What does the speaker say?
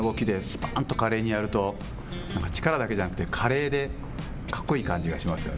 ぱんと華麗にやると、なんか力だけじゃなくて、華麗でかっこいい感じがしますよ